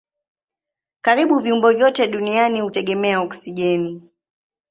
Karibu viumbe vyote duniani hutegemea oksijeni.